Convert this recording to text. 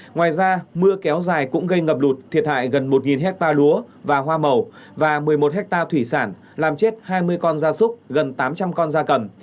ngoài ra mưa kéo dài cũng gây ngập lụt thiệt hại gần một hectare lúa và hoa màu và một mươi một hectare thủy sản làm chết hai mươi con da súc gần tám trăm linh con da cầm